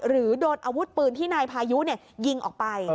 หรือโดนอาวุธปืนที่นายพายุยิงออกไป